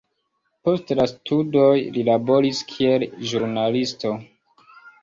Post la studoj li laboris kiel ĵurnalisto.